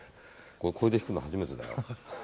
これで弾くの初めてだから。